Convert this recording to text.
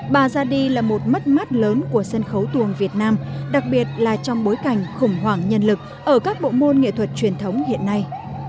bà ra đi là một mất mắt lớn của sân khấu tuồng việt nam đặc biệt là trong bối cảnh khủng hoảng nhân lực ở các bộ môn nghệ thuật truyền thống hiện nay